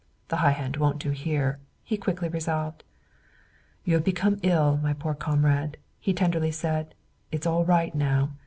"The high hand won't do here," he quickly resolved. "You have been ill, my poor comrade," he tenderly said. "It's all right now.